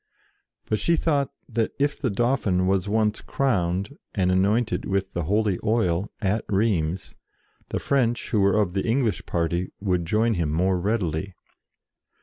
But she thought that if the Dauphin was once crowned, and anointed with the holy oil, at Rheims, the French who were of the English party would join him more readily.